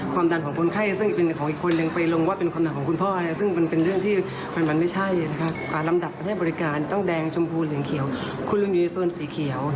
คือคิวคนไข้คือคุณลุงนี้